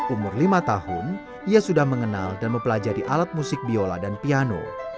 umur lima tahun ia sudah mengenal dan mempelajari alat musik biola dan piano